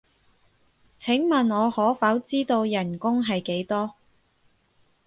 請問我可否知道人工係幾多？